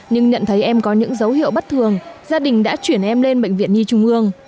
nhưng nhận thấy em có những dấu hiệu bất thường gia đình đã chuyển em lên bệnh viện nhi trung ương